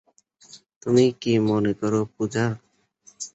তুমি কি মনে করো পূজা?